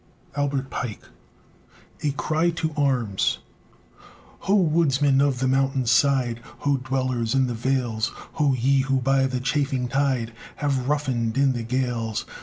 ALBERT PIKE. A CRY TO ARMS Ho, woodsmen of the mountain side! Ho, dwellers in the vales! Ho, ye who by the chafing tide Have roughened in the gales!